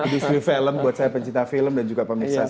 bisa film buat saya pencipta film dan juga pemerintah